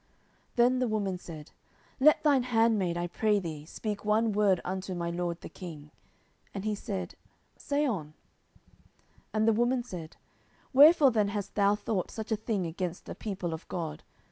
10:014:012 Then the woman said, Let thine handmaid, I pray thee, speak one word unto my lord the king. And he said, Say on. 10:014:013 And the woman said, Wherefore then hast thou thought such a thing against the people of God?